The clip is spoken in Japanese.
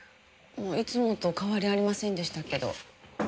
いつもと変わりありませんでしたけど。